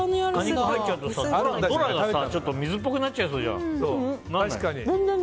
どらが水っぽくなっちゃいそうじゃん。